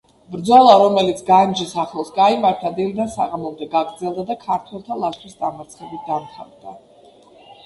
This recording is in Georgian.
ბრძოლა, რომელიც განჯის ახლოს გაიმართა, დილიდან საღამომდე გაგრძელდა და ქართველთა ლაშქრის დამარცხებით დამთავრდა.